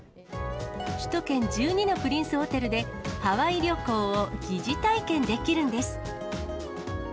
首都圏１２のプリンスホテルで、ハワイ旅行を疑似体験できるんです。